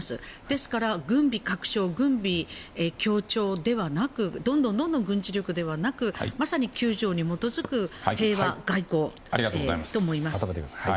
ですから、軍備拡張ではなくどんどん軍事力ではなく９条に基づく平和外交をと思います。